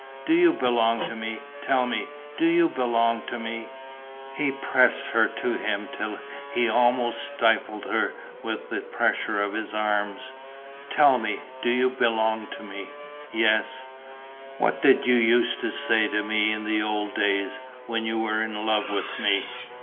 Do you belong to me, tell me, do you belong to me?" He pressed her to him till he almost stifled her with the pressure of his arms: "Tell me, do you belong to me?" "Yes." "What used you to say to me in the old days, when you were in love with me?"